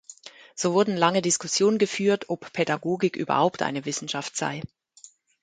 So wurden lange Diskussionen geführt, ob Pädagogik überhaupt eine Wissenschaft sei.